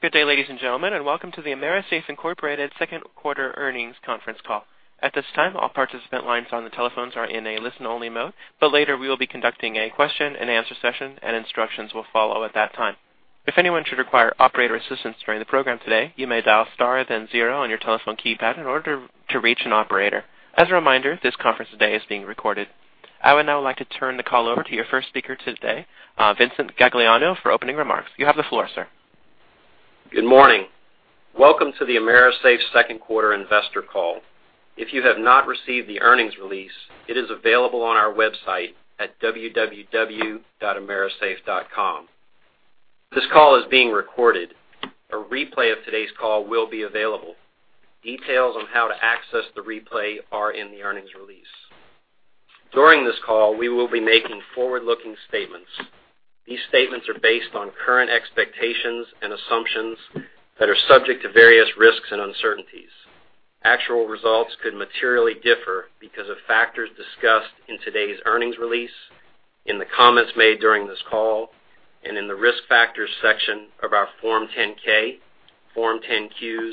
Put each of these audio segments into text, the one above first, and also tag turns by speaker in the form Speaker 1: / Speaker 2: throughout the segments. Speaker 1: Good day, ladies and gentlemen, and welcome to the AMERISAFE, Inc. second quarter earnings conference call. At this time, all participant lines on the telephones are in a listen-only mode, but later we will be conducting a question and answer session and instructions will follow at that time. If anyone should require operator assistance during the program today, you may dial star then zero on your telephone keypad in order to reach an operator. As a reminder, this conference today is being recorded. I would now like to turn the call over to your first speaker today, Vincent Gagliano, for opening remarks. You have the floor, sir.
Speaker 2: Good morning. Welcome to the AMERISAFE second quarter investor call. If you have not received the earnings release, it is available on our website at www.amerisafe.com. This call is being recorded. A replay of today's call will be available. Details on how to access the replay are in the earnings release. During this call, we will be making forward-looking statements. These statements are based on current expectations and assumptions that are subject to various risks and uncertainties. Actual results could materially differ because of factors discussed in today's earnings release, in the comments made during this call, and in the Risk Factors section of our Form 10-K, Form 10-Qs,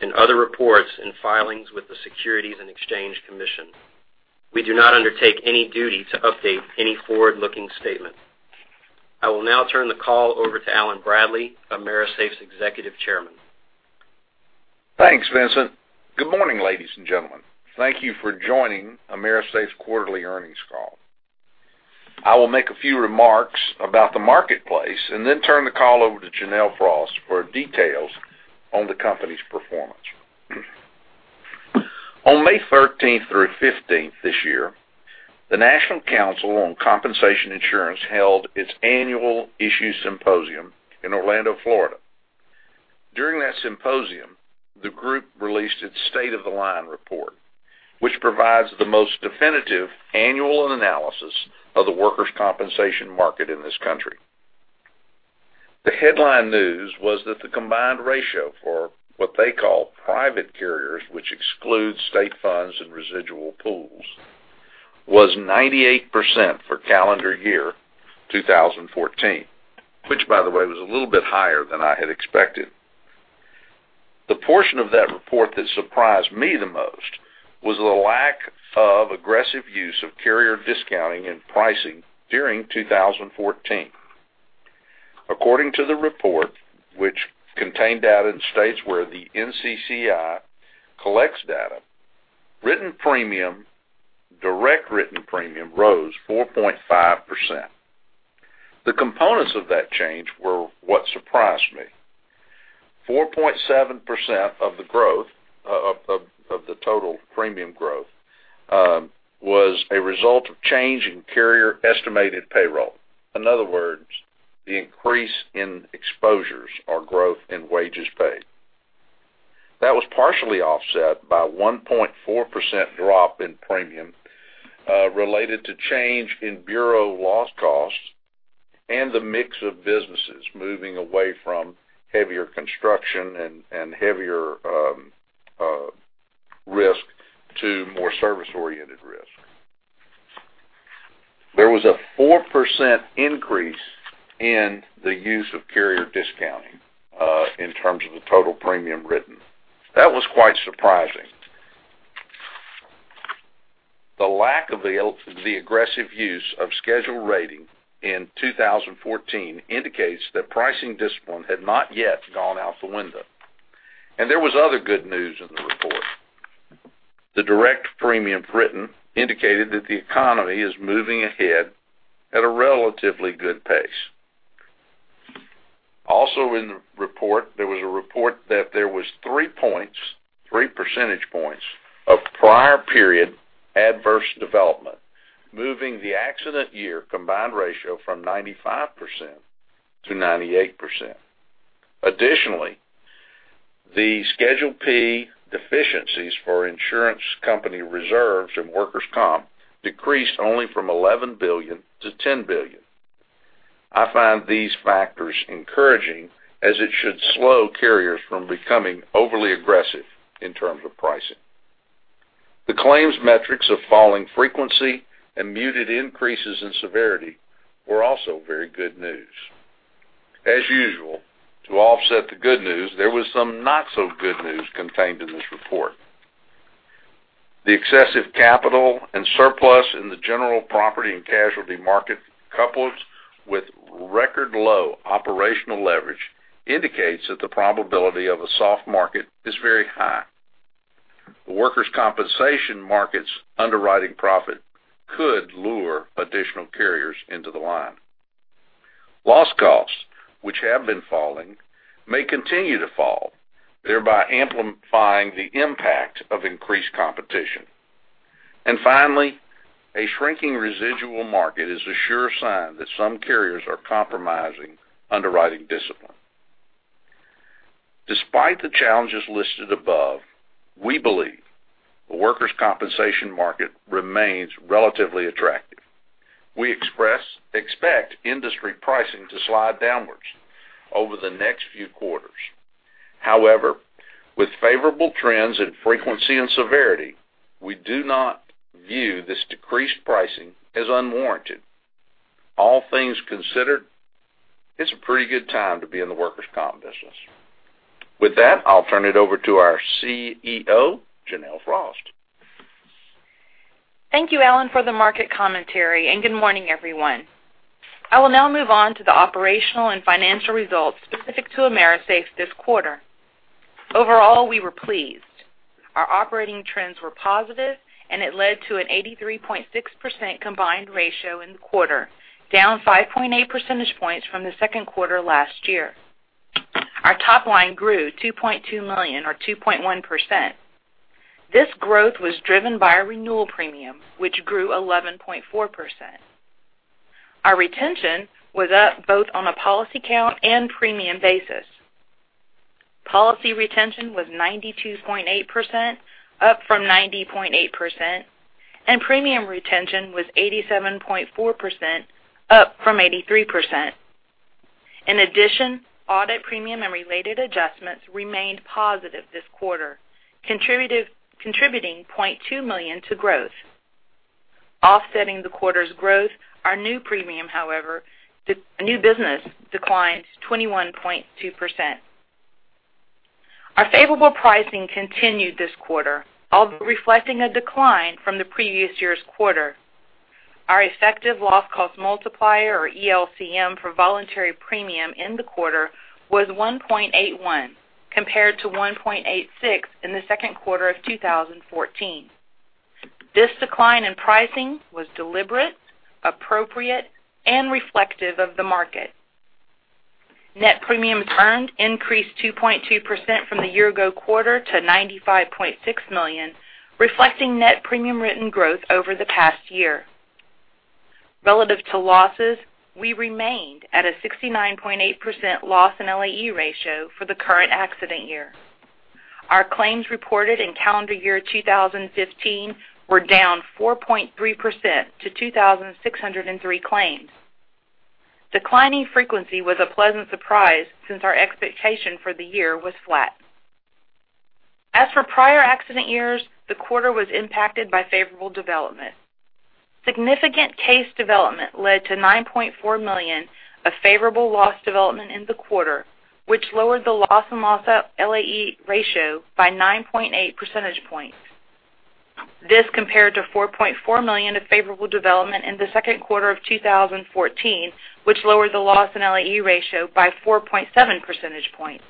Speaker 2: and other reports and filings with the Securities and Exchange Commission. We do not undertake any duty to update any forward-looking statement. I will now turn the call over to Allen Bradley, AMERISAFE's Executive Chairman.
Speaker 3: Thanks, Vincent. Good morning, ladies and gentlemen. Thank you for joining AMERISAFE's quarterly earnings call. I will make a few remarks about the marketplace and then turn the call over to Janelle Frost for details on the company's performance. On May 13th through 15th this year, the National Council on Compensation Insurance held its Annual Issues Symposium in Orlando, Florida. During that symposium, the group released its State of the Line report, which provides the most definitive annual analysis of the workers' compensation market in this country. The headline news was that the combined ratio for what they call private carriers, which excludes state funds and residual pools, was 98% for calendar year 2014, which by the way, was a little bit higher than I had expected. The portion of that report that surprised me the most was the lack of aggressive use of carrier discounting and pricing during 2014. According to the report, which contained data in states where the NCCI collects data, direct written premium rose 4.5%. The components of that change were what surprised me. 4.7% of the total premium growth, was a result of change in carrier estimated payroll. In other words, the increase in exposures or growth in wages paid. That was partially offset by 1.4% drop in premium related to change in bureau loss costs and the mix of businesses moving away from heavier construction and heavier risk to more service-oriented risk. There was a 4% increase in the use of carrier discounting in terms of the total premium written. That was quite surprising. The lack of the aggressive use of schedule rating in 2014 indicates that pricing discipline had not yet gone out the window. There was other good news in the report. The direct premium written indicated that the economy is moving ahead at a relatively good pace. Also in the report, there was a report that there was 3 percentage points of prior period adverse development, moving the accident year combined ratio from 95% to 98%. Additionally, the Schedule P deficiencies for insurance company reserves from workers' comp decreased only from $11 billion to $10 billion. I find these factors encouraging as it should slow carriers from becoming overly aggressive in terms of pricing. The claims metrics of falling frequency and muted increases in severity were also very good news. As usual, to offset the good news, there was some not so good news contained in this report. The excessive capital and surplus in the general property and casualty market, coupled with record low operational leverage, indicates that the probability of a soft market is very high. The workers' compensation market's underwriting profit could lure additional carriers into the line. Loss costs, which have been falling, may continue to fall, thereby amplifying the impact of increased competition. Finally, a shrinking residual market is a sure sign that some carriers are compromising underwriting discipline. Despite the challenges listed above, we believe the workers' compensation market remains relatively attractive. We expect industry pricing to slide downwards over the next few quarters. However, with favorable trends in frequency and severity, we do not view this decreased pricing as unwarranted. All things considered, it's a pretty good time to be in the workers' comp business. With that, I'll turn it over to our CEO, Janelle Frost.
Speaker 4: Thank you, Allen, for the market commentary. Good morning, everyone. I will now move on to the operational and financial results specific to AMERISAFE this quarter. Overall, we were pleased. Our operating trends were positive, and it led to an 83.6% combined ratio in the quarter, down 5.8 percentage points from the second quarter last year. Our top line grew $2.2 million or 2.1%. This growth was driven by our renewal premium, which grew 11.4%. Our retention was up both on a policy count and premium basis. Policy retention was 92.8%, up from 90.8%, and premium retention was 87.4%, up from 83%. In addition, audit premium and related adjustments remained positive this quarter, contributing $0.2 million to growth. Offsetting the quarter's growth, our new business declined 21.2%. Our favorable pricing continued this quarter, although reflecting a decline from the previous year's quarter. Our effective loss cost multiplier, or ELCM, for voluntary premium in the quarter was 1.81, compared to 1.86 in the second quarter of 2014. This decline in pricing was deliberate, appropriate, and reflective of the market. Net premiums earned increased 2.2% from the year-ago quarter to $95.6 million, reflecting net premium written growth over the past year. Relative to losses, we remained at a 69.8% loss in LAE ratio for the current accident year. Our claims reported in calendar year 2015 were down 4.3% to 2,603 claims. Declining frequency was a pleasant surprise since our expectation for the year was flat. As for prior accident years, the quarter was impacted by favorable development. Significant case development led to $9.4 million of favorable loss development in the quarter, which lowered the loss and loss LAE ratio by 9.8 percentage points. This compared to $4.4 million of favorable development in the second quarter of 2014, which lowered the loss in LAE ratio by 4.7 percentage points.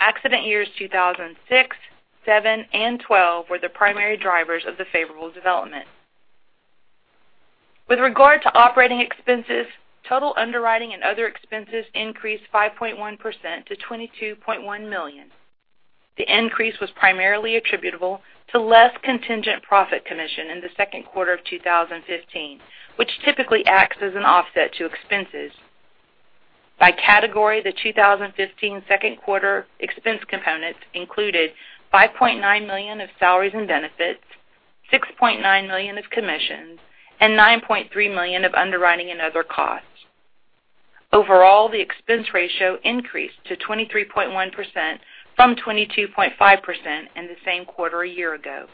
Speaker 4: Accident years 2006, 2007, and 2012 were the primary drivers of the favorable development. With regard to operating expenses, total underwriting and other expenses increased 5.1% to $22.1 million. The increase was primarily attributable to less contingent profit commission in the second quarter of 2015, which typically acts as an offset to expenses. By category, the 2015 second quarter expense components included $5.9 million of salaries and benefits, $6.9 million of commissions, and $9.3 million of underwriting and other costs. Overall, the expense ratio increased to 23.1% from 22.5% in the same quarter a year ago.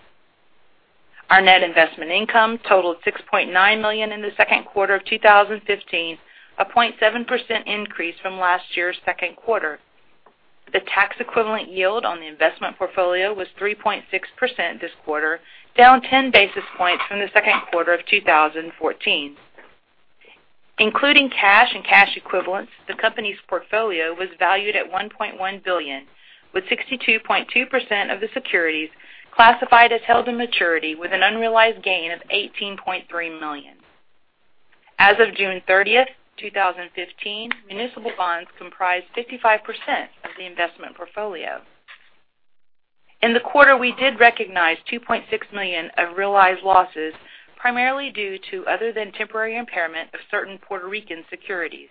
Speaker 4: Our net investment income totaled $6.9 million in the second quarter of 2015, a 0.7% increase from last year's second quarter. The tax equivalent yield on the investment portfolio was 3.6% this quarter, down 10 basis points from the second quarter of 2014. Including cash and cash equivalents, the company's portfolio was valued at $1.1 billion, with 62.2% of the securities classified as held to maturity with an unrealized gain of $18.3 million. As of June 30th, 2015, municipal bonds comprised 55% of the investment portfolio. In the quarter, we did recognize $2.6 million of realized losses, primarily due to other than temporary impairment of certain Puerto Rican securities.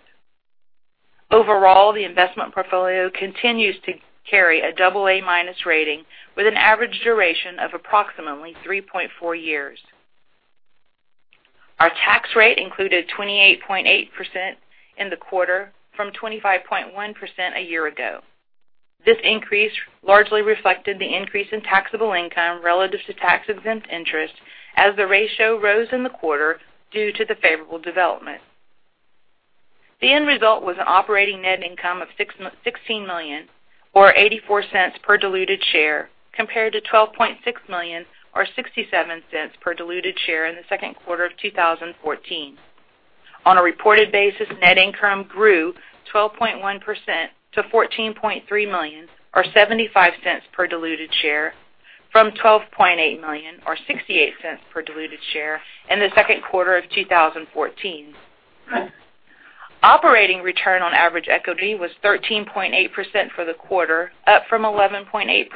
Speaker 4: Overall, the investment portfolio continues to carry a double A-minus rating with an average duration of approximately 3.4 years. Our tax rate included 28.8% in the quarter from 25.1% a year ago. This increase largely reflected the increase in taxable income relative to tax-exempt interest as the ratio rose in the quarter due to the favorable development. The end result was an operating net income of $16 million, or $0.84 per diluted share, compared to $12.6 million or $0.67 per diluted share in the second quarter of 2014. On a reported basis, net income grew 12.1% to $14.3 million or $0.75 per diluted share from $12.8 million or $0.68 per diluted share in the second quarter of 2014. Operating return on average equity was 13.8% for the quarter, up from 11.8%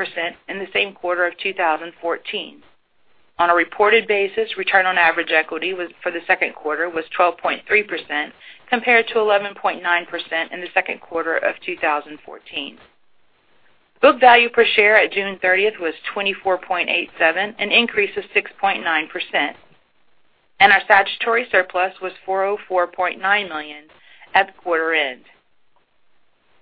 Speaker 4: in the same quarter of 2014. On a reported basis, return on average equity for the second quarter was 12.3%, compared to 11.9% in the second quarter of 2014. Book value per share at June 30th was $24.87, an increase of 6.9%, and our statutory surplus was $404.9 million at the quarter end.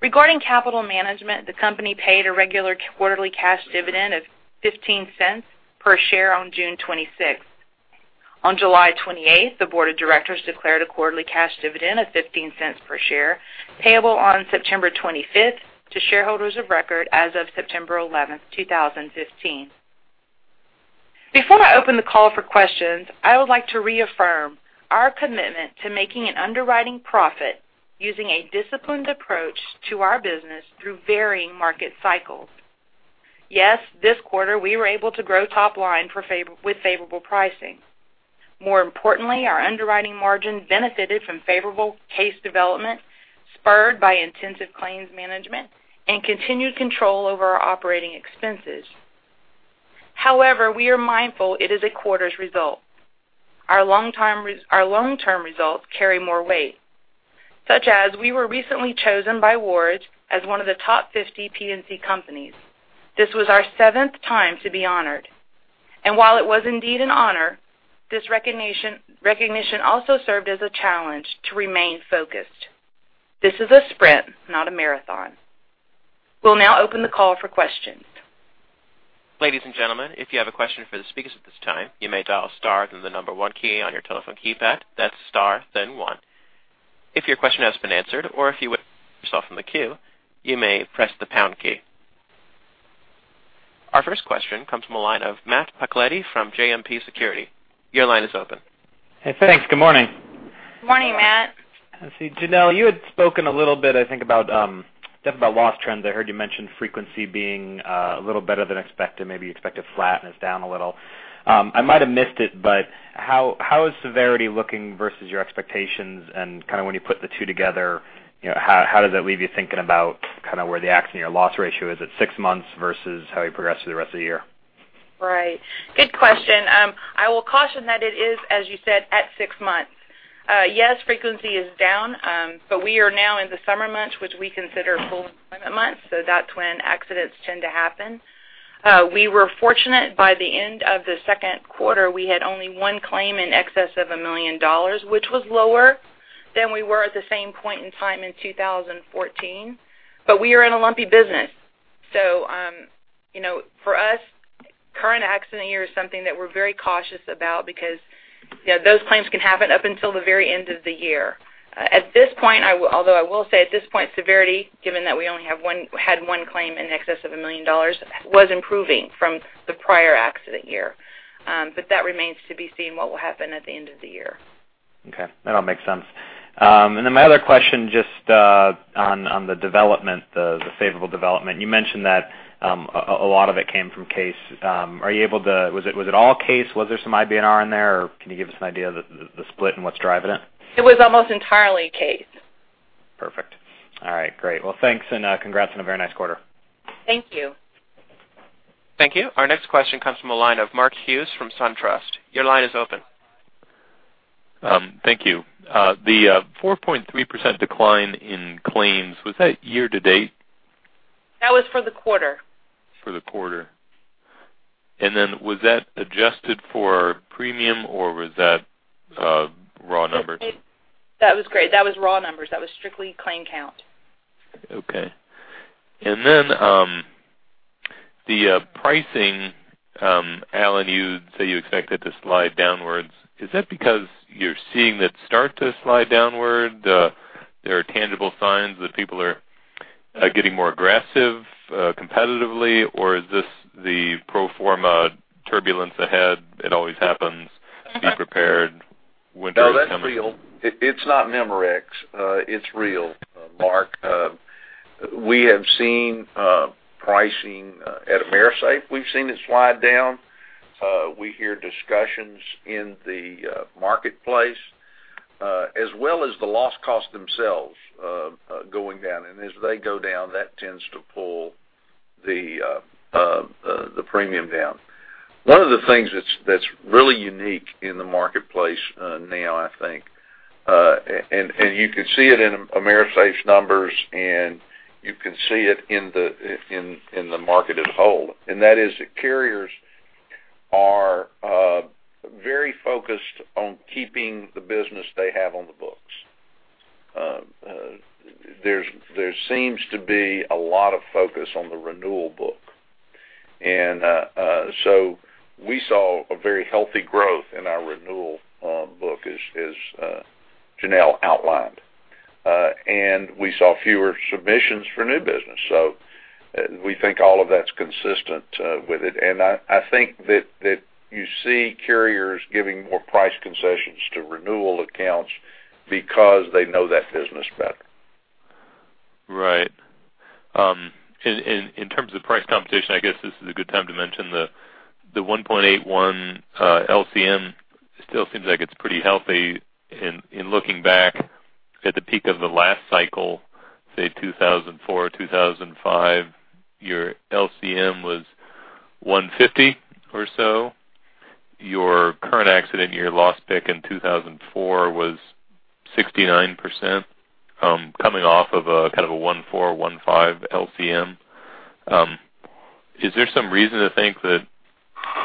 Speaker 4: Regarding capital management, the company paid a regular quarterly cash dividend of $0.15 per share on June 26th. On July 28th, the board of directors declared a quarterly cash dividend of $0.15 per share, payable on September 25th to shareholders of record as of September 11th, 2015. Before I open the call for questions, I would like to reaffirm our commitment to making an underwriting profit using a disciplined approach to our business through varying market cycles. Yes, this quarter, we were able to grow top line with favorable pricing. More importantly, our underwriting margin benefited from favorable case development, spurred by intensive claims management and continued control over our operating expenses. However, we are mindful it is a quarter's result. Our long-term results carry more weight, such as we were recently chosen by Ward's as one of the top 50 P&C companies. This was our seventh time to be honored. While it was indeed an honor, this recognition also served as a challenge to remain focused. This is a sprint, not a marathon. We'll now open the call for questions.
Speaker 1: Ladies and gentlemen, if you have a question for the speakers at this time, you may dial star then the number one key on your telephone keypad. That's star, then one. If your question has been answered or if you would-- yourself from the queue, you may press the pound key. Our first question comes from the line of Matt Carletti from JMP Securities. Your line is open.
Speaker 5: Hey, thanks. Good morning.
Speaker 4: Morning, Matt.
Speaker 5: Let's see, Janelle, you had spoken a little bit, I think, about loss trends. I heard you mention frequency being a little better than expected. Maybe you expected flatness down a little. I might have missed it, but how is severity looking versus your expectations and kind of when you put the two together, how does that leave you thinking about kind of where the accident year loss ratio is at six months versus how you progress through the rest of the year?
Speaker 4: Right. Good question. I will caution that it is, as you said, at six months. Yes, frequency is down, we are now in the summer months, which we consider full employment months. That's when accidents tend to happen. We were fortunate by the end of the second quarter, we had only one claim in excess of $1 million, which was lower than we were at the same point in time in 2014. We are in a lumpy business. For us, current accident year is something that we're very cautious about because those claims can happen up until the very end of the year. Although I will say at this point, severity, given that we only had one claim in excess of $1 million, was improving from the prior accident year. That remains to be seen what will happen at the end of the year.
Speaker 5: Okay. That all makes sense. My other question, just on the favorable development. You mentioned that a lot of it came from case. Was it all case? Was there some IBNR in there, or can you give us an idea of the split and what's driving it?
Speaker 4: It was almost entirely case.
Speaker 5: Perfect. All right, great. Well, thanks and congrats on a very nice quarter.
Speaker 4: Thank you.
Speaker 1: Thank you. Our next question comes from the line of Mark Hughes from SunTrust. Your line is open.
Speaker 6: Thank you. The 4.3% decline in claims, was that year-to-date?
Speaker 4: That was for the quarter.
Speaker 6: For the quarter. Was that adjusted for premium, or was that raw numbers?
Speaker 4: That was great. That was raw numbers. That was strictly claim count.
Speaker 6: Okay. Then the pricing, Allen, you say you expect it to slide downwards. Is that because you're seeing that start to slide downward? There are tangible signs that people are getting more aggressive competitively, or is this the pro forma turbulence ahead? It always happens. Be prepared. Winter is coming.
Speaker 3: No, that's real. It's not Memorex. It's real, Mark. We have seen pricing at AMERISAFE. We've seen it slide down. We hear discussions in the marketplace as well as the loss cost themselves going down. As they go down, that tends to pull the premium down. One of the things that's really unique in the marketplace now, I think, and you can see it in AMERISAFE's numbers, and you can see it in the market as a whole, and that is that carriers are very focused on keeping the business they have on the books. There seems to be a lot of focus on the renewal book. We saw a very healthy growth in our renewal book as Janelle outlined. We saw fewer submissions for new business. We think all of that's consistent with it. I think that you see carriers giving more price concessions to renewal accounts because they know that business better.
Speaker 6: Right. In terms of price competition, I guess this is a good time to mention the 1.81 LCM still seems like it's pretty healthy in looking back at the peak of the last cycle, say 2004 or 2005, your LCM was 150 or so. Your current accident year loss pick in 2004 was 69% coming off of a kind of a one four, one five LCM. Is there some reason to think that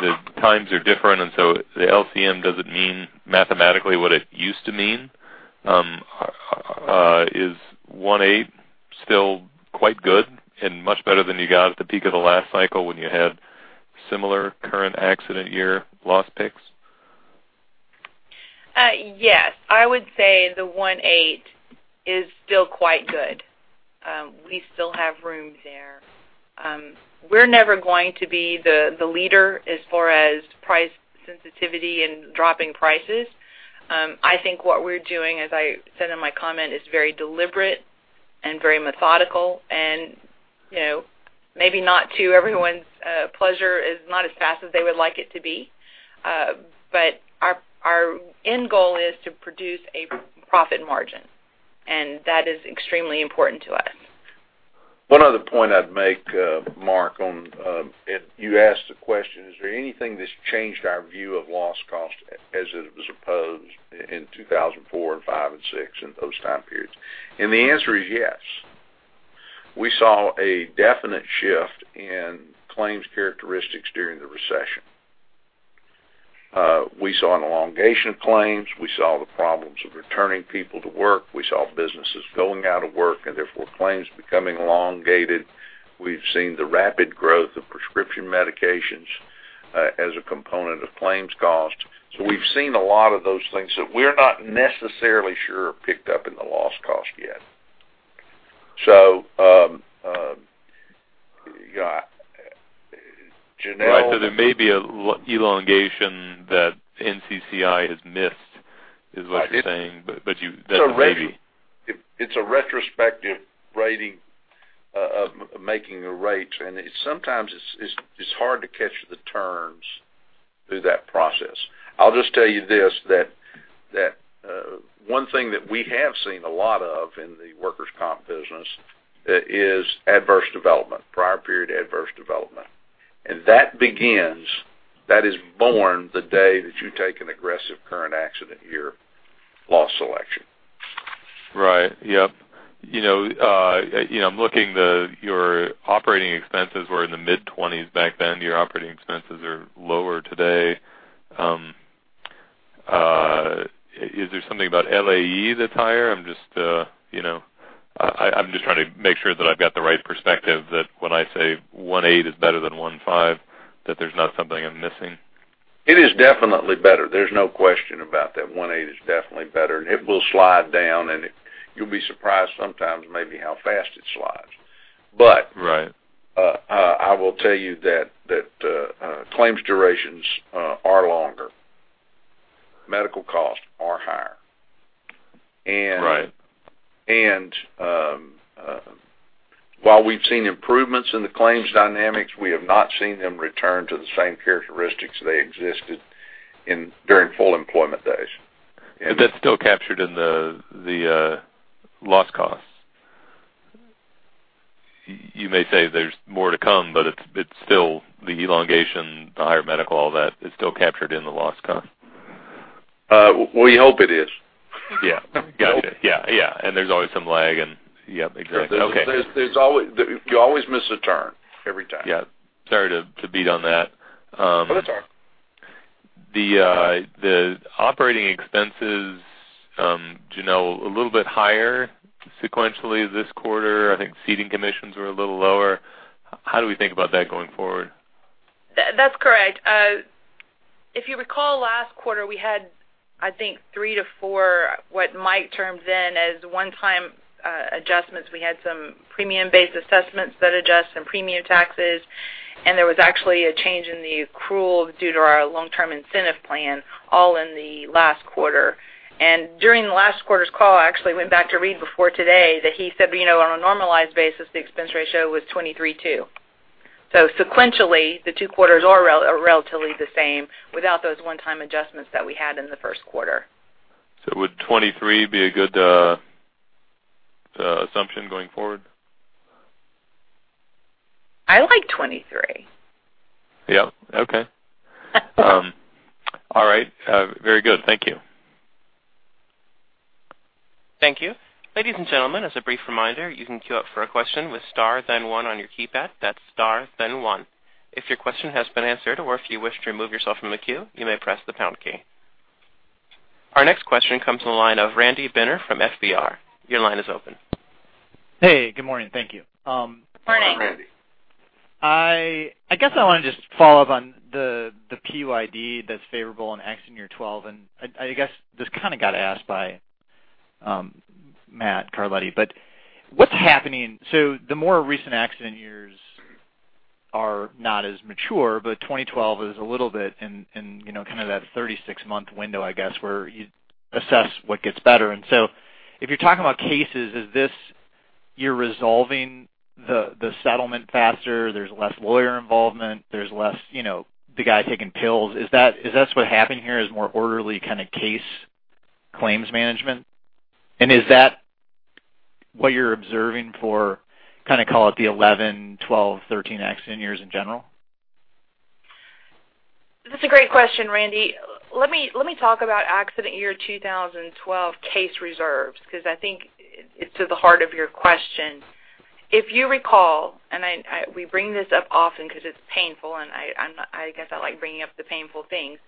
Speaker 6: the times are different the LCM doesn't mean mathematically what it used to mean? Is 1.8 still quite good and much better than you got at the peak of the last cycle when you had similar current accident year loss picks?
Speaker 4: Yes. I would say the 1.8 is still quite good. We still have room there. We're never going to be the leader as far as price sensitivity and dropping prices. I think what we're doing, as I said in my comment, is very deliberate and very methodical and maybe not to everyone's pleasure, is not as fast as they would like it to be. Our end goal is to produce a profit margin, and that is extremely important to us.
Speaker 3: One other point I'd make, Mark, on you asked the question, is there anything that's changed our view of loss cost as it was opposed in 2004 and 2005 and 2006 and those time periods. The answer is yes. We saw a definite shift in claims characteristics during the recession. We saw an elongation of claims. We saw the problems of returning people to work. We saw businesses going out of work and therefore claims becoming elongated. We've seen the rapid growth of prescription medications as a component of claims cost. We've seen a lot of those things that we're not necessarily sure are picked up in the loss cost yet. Janelle-
Speaker 6: Right. There may be an elongation that NCCI has missed is what you're saying.
Speaker 3: It's a retrospective rating of making a rate, and sometimes it's hard to catch the turns through that process. I'll just tell you this, that one thing that we have seen a lot of in the workers' comp business is adverse development, prior period adverse development. That begins, that is born the day that you take an aggressive current accident year loss selection.
Speaker 6: Right. Yep. I'm looking at your operating expenses were in the mid-twenties back then. Your operating expenses are lower today. Is there something about LAE that's higher? I'm just trying to make sure that I've got the right perspective that when I say 1.8 is better than 1.5, that there's not something I'm missing.
Speaker 3: It is definitely better. There's no question about that. 1.8 is definitely better, and it will slide down, and you'll be surprised sometimes maybe how fast it slides.
Speaker 6: Right.
Speaker 3: I will tell you that claims durations are longer, medical costs are higher.
Speaker 6: Right.
Speaker 3: While we've seen improvements in the claims dynamics, we have not seen them return to the same characteristics they existed during full employment days.
Speaker 6: That's still captured in the loss costs. You may say there's more to come, it's still the elongation, the higher medical, all that, is still captured in the loss cost.
Speaker 3: We hope it is.
Speaker 6: Yeah. There's always some lag and, yeah, exactly. Okay.
Speaker 3: You always miss a turn, every time.
Speaker 6: Sorry to beat on that.
Speaker 3: That's all right.
Speaker 6: The operating expenses, Janelle, a little bit higher sequentially this quarter. I think ceding commissions were a little lower. How do we think about that going forward?
Speaker 4: That's correct. If you recall, last quarter, we had, I think, three to four, what Mike termed then as one-time adjustments. We had some premium-based assessments that adjust some premium taxes, and there was actually a change in the accrual due to our long-term incentive plan, all in the last quarter. During the last quarter's call, I actually went back to read before today that he said, on a normalized basis, the expense ratio was 23.2%. Sequentially, the two quarters are relatively the same without those one-time adjustments that we had in the first quarter.
Speaker 6: Would 23 be a good assumption going forward?
Speaker 4: I like 23.
Speaker 6: Yep. Okay. All right. Very good. Thank you.
Speaker 1: Thank you. Ladies and gentlemen, as a brief reminder, you can queue up for a question with star then one on your keypad. That's star then one. If your question has been answered or if you wish to remove yourself from the queue, you may press the pound key. Our next question comes from the line of Randy Binner from FBR. Your line is open.
Speaker 7: Hey, good morning. Thank you.
Speaker 4: Morning.
Speaker 3: Morning, Randy.
Speaker 7: I guess I want to just follow up on the PYD that's favorable in accident year 2012. I guess this kind of got asked by Matthew Carletti. What's happening? The more recent accident years are not as mature, but 2012 is a little bit in kind of that 36-month window, I guess, where you assess what gets better. If you're talking about cases, is this you're resolving the settlement faster, there's less lawyer involvement, there's less the guy taking pills. Is that what's happening here, is more orderly kind of case claims management? Is that what you're observing for kind of call it the 2011, 2012, 2013 accident years in general?
Speaker 4: That's a great question, Randy. Let me talk about accident year 2012 case reserves, because I think it's to the heart of your question. If you recall, we bring this up often because it's painful, and I guess I like bringing up the painful things.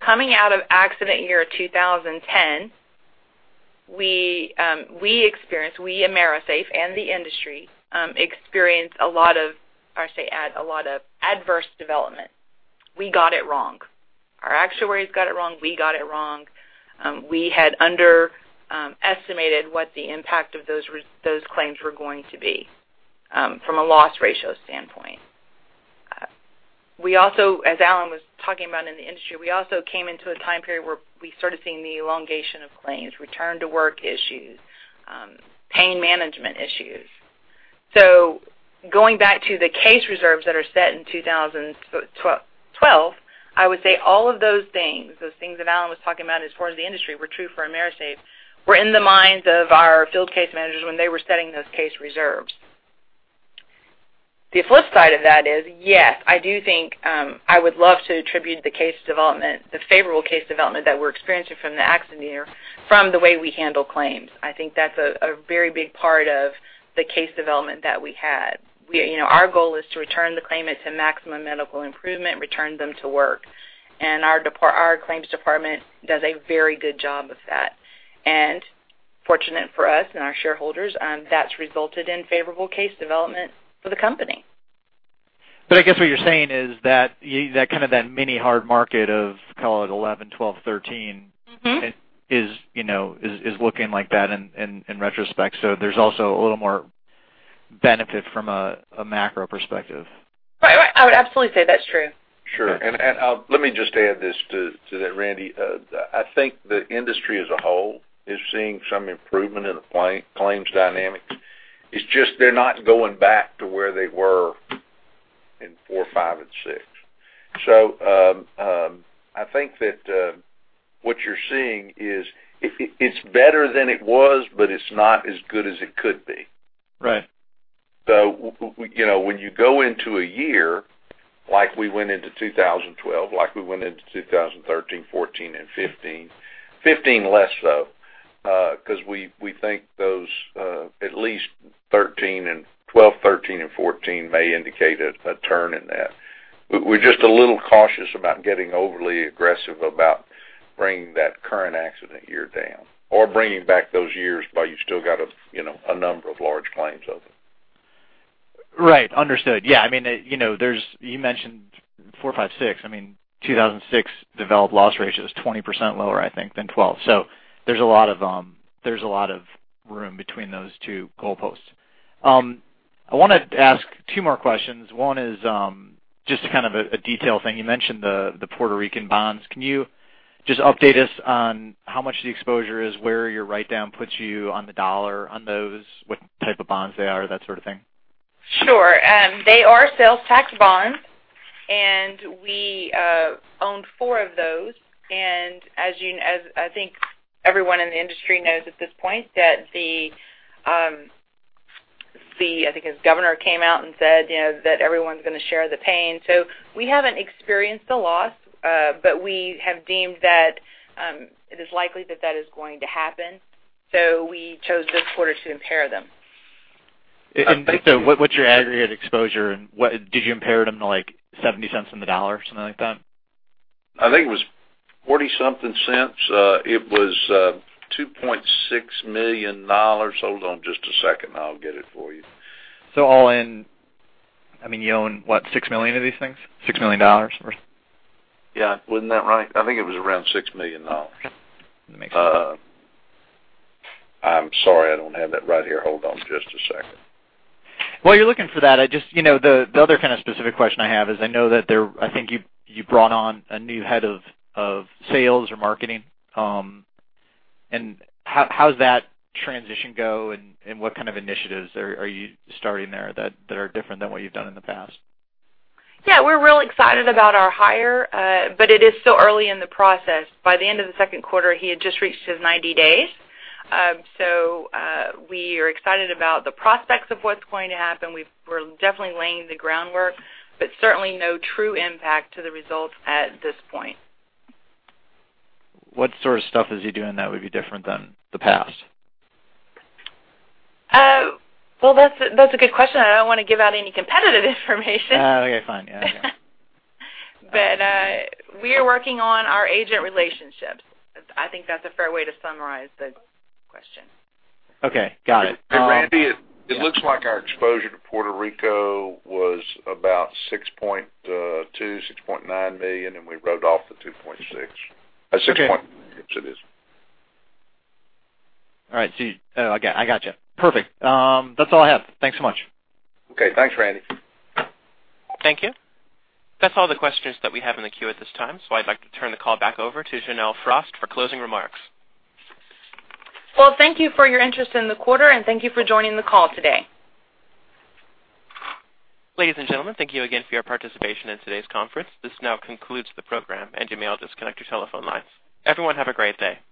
Speaker 4: Coming out of accident year 2010, we at AMERISAFE and the industry experienced a lot of adverse development. We got it wrong. Our actuaries got it wrong. We got it wrong. We had underestimated what the impact of those claims were going to be from a loss ratio standpoint. We also, as Allen was talking about in the industry, we also came into a time period where we started seeing the elongation of claims, return to work issues, pain management issues. Going back to the case reserves that are set in 2012, I would say all of those things, those things that Allen was talking about as far as the industry were true for AMERISAFE, were in the minds of our field case managers when they were setting those case reserves. The flip side of that is, yes, I do think I would love to attribute the favorable case development that we're experiencing from the accident year from the way we handle claims. I think that's a very big part of the case development that we had. Our goal is to return the claimant to maximum medical improvement, return them to work, and our claims department does a very good job of that. Fortunate for us and our shareholders, that's resulted in favorable case development for the company.
Speaker 7: I guess what you're saying is that kind of that mini hard market of, call it 2011, 2012, 2013- is looking like that in retrospect. There's also a little more benefit from a macro perspective.
Speaker 4: Right. I would absolutely say that's true.
Speaker 3: Let me just add this to that, Randy. I think the industry as a whole is seeing some improvement in the claims dynamics. It's just they're not going back to where they were in 2004, 2005, and 2006. I think that what you're seeing is, it's better than it was, but it's not as good as it could be.
Speaker 7: Right.
Speaker 3: When you go into a year, like we went into 2012, like we went into 2013, 2014, and 2015. 2015 less so, because we think those at least 2013 and 2012, 2013, and 2014 may indicate a turn in that. We're just a little cautious about getting overly aggressive about bringing that current accident year down or bringing back those years, but you still got a number of large claims open.
Speaker 7: Right. Understood. Yeah. You mentioned 2004, 2005, 2006. I mean, 2006 developed loss ratio is 20% lower, I think, than 2012. There's a lot of room between those two goalposts. I want to ask two more questions. One is just kind of a detail thing. You mentioned the Puerto Rican bonds. Can you just update us on how much the exposure is, where your write-down puts you on the dollar on those, what type of bonds they are, that sort of thing?
Speaker 4: Sure. They are sales tax bonds, and we own four of those. As I think everyone in the industry knows at this point that the, I think it's governor, came out and said that everyone's going to share the pain. We haven't experienced a loss, but we have deemed that it is likely that that is going to happen. We chose this quarter to impair them.
Speaker 7: what's your aggregate exposure, and did you impair them to $0.70 on the dollar or something like that?
Speaker 3: I think it was $0.40-something. It was $2.6 million. Hold on just a second, I'll get it for you.
Speaker 7: all in, I mean, you own what, 6 million of these things? $6 million or
Speaker 3: Yeah. Wouldn't that right? I think it was around $6 million.
Speaker 7: That makes sense.
Speaker 3: I'm sorry, I don't have that right here. Hold on just a second.
Speaker 7: While you're looking for that, the other kind of specific question I have is I know that I think you brought on a new head of sales or marketing. How's that transition go, and what kind of initiatives are you starting there that are different than what you've done in the past?
Speaker 4: Yeah. We're real excited about our hire. It is still early in the process. By the end of the second quarter, he had just reached his 90 days. We are excited about the prospects of what's going to happen. We're definitely laying the groundwork, but certainly no true impact to the results at this point.
Speaker 7: What sort of stuff is he doing that would be different than the past?
Speaker 4: Well, that's a good question. I don't want to give out any competitive information.
Speaker 7: Okay, fine. Yeah.
Speaker 4: We are working on our agent relationships. I think that's a fair way to summarize the question.
Speaker 7: Okay. Got it.
Speaker 3: Randy, it looks like our exposure to Puerto Rico was about $6.2 million-$6.9 million, and we wrote off the $2.6 million.
Speaker 7: Okay.
Speaker 3: Yes, it is.
Speaker 7: All right. I got you. Perfect. That's all I have. Thanks so much.
Speaker 3: Okay. Thanks, Randy.
Speaker 1: Thank you. That's all the questions that we have in the queue at this time. I'd like to turn the call back over to Janelle Frost for closing remarks.
Speaker 4: Well, thank you for your interest in the quarter. Thank you for joining the call today.
Speaker 1: Ladies and gentlemen, thank you again for your participation in today's conference. This now concludes the program. You may all disconnect your telephone lines. Everyone have a great day.